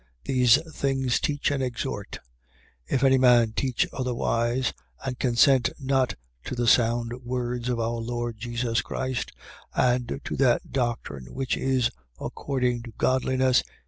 These things teach and exhort. 6:3. If any man teach otherwise and consent not to the sound words of our Lord Jesus Christ and to that doctrine which is according to godliness, 6:4.